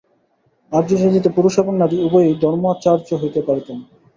আর্যজাতিতে পুরুষ এবং নারী উভয়েই ধর্মাচার্য হইতে পারিতেন।